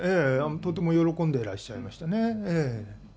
とても喜んでらっしゃいましたね。